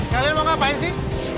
kalian mau ngapain sih